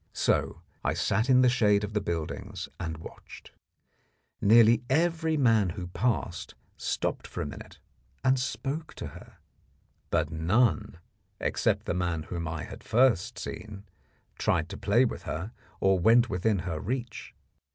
So I sat in the shade of the buildings and watched. Nearly every man who passed stopped for a minute and spoke to her, but none except the man whom I had first seen tried to play with her or went within her reach.